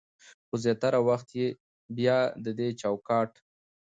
خو زياتره وخت يې بيا د دې چوکاټ